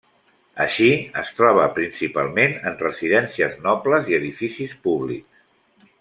Així, es troba principalment en residències nobles i edificis públics.